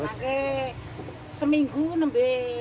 pakai seminggu nanti